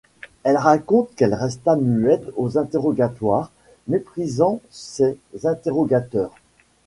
On raconte qu'elle resta muette aux interrogatoires, méprisant ses interrogateurs.